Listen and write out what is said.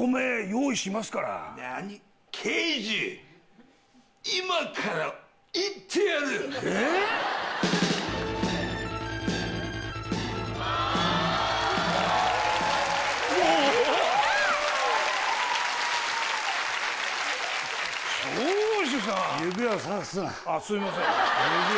すいません。